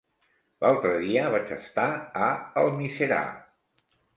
L'altre dia vaig estar a Almiserà.